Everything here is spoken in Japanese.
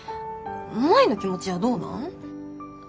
舞の気持ちはどうなん？